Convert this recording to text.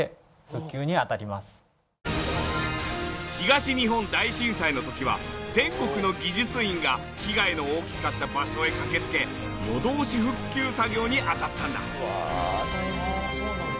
東日本大震災の時は全国の技術員が被害の大きかった場所へ駆けつけ夜通し復旧作業にあたったんだ。